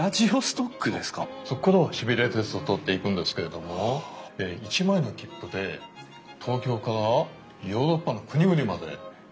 そこからはシベリア鉄道通っていくんですけれども１枚の切符で東京からヨーロッパの国々まで行ける。